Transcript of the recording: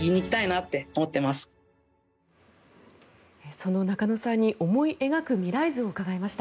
その中野さんに思い描く未来図を伺いました。